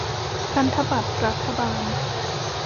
พันธบัตรรัฐบาล